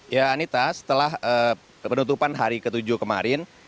ya anita setelah penutupan hari ke tujuh kemarin